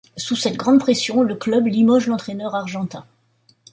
Sous cette grande pression, le club limoge l'entraineur Argentin.